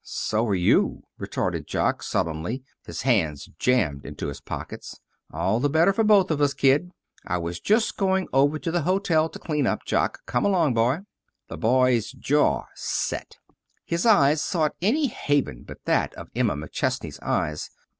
"So are you," retorted Jock, sullenly, his hands jammed into his pockets. "All the better for both of us, Kid. I was just going over to the hotel to clean up, Jock. Come along, boy." The boy's jaw set. His eyes sought any haven but that of Emma McChesney's eyes.